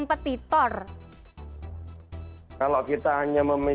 pergikan terus tempat mu